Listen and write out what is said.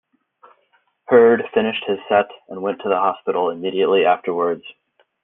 Heard finished his set and went to the hospital immediately afterwards.